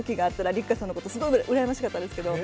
六花さんのことすごい羨ましかったですけど。